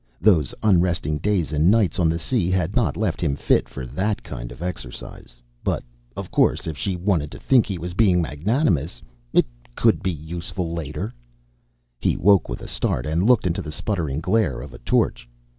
Those unresting days and nights on the sea had not left him fit for that kind of exercise. But, of course, if she wanted to think he was being magnanimous, it could be useful later He woke with a start and looked into the sputtering glare of a torch.